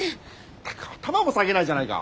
ったく頭も下げないじゃないか。